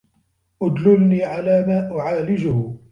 اُدْلُلْنِي عَلَى مَا أُعَالِجُهُ